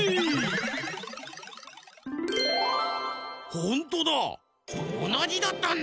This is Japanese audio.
ほんとだ。